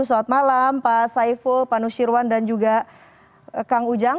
selamat malam pak saiful pak nusirwan dan juga kang ujang